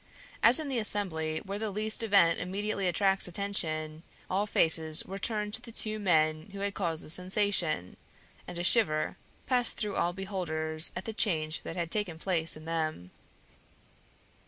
As in the Assembly where the least event immediately attracts attention, all faces were turned to the two men who had caused the sensation, and a shiver passed through all beholders at the change that had taken place in them.